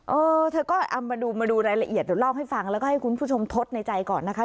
เออเธอก็เอามาดูมาดูรายละเอียดเดี๋ยวเล่าให้ฟังแล้วก็ให้คุณผู้ชมทดในใจก่อนนะคะ